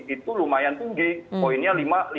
itu lumayan tinggi poinnya